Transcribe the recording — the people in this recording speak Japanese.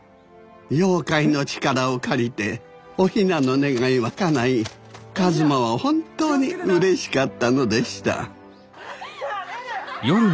妖怪の力を借りてお雛の願いはかない一馬は本当にうれしかったのでした駄目だ！